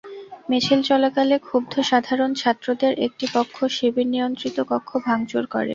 মিছিল চলাকালে ক্ষুব্ধ সাধারণ ছাত্রদের একটি পক্ষ শিবিরনিয়ন্ত্রিত কক্ষ ভাঙচুর করে।